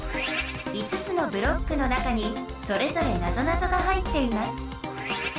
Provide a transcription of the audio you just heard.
５つのブロックの中にそれぞれなぞなぞが入っています。